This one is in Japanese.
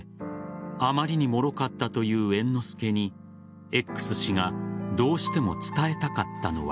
あまりにもろかったという猿之助にＸ氏がどうしても伝えたかったのは。